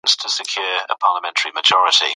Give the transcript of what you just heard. د بدن بوی د پوستکي له غدو سره تړلی دی.